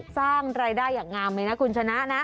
สร้างรายได้อย่างน้ำเลยนะคุณฉนะ